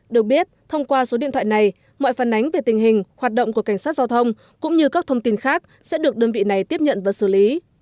được biết thông qua số điện thoại này mọi phản ánh về tình hình hoạt động của cảnh sát giao thông cũng như các thông tin khác sẽ được đơn vị này tiếp nhận và xử lý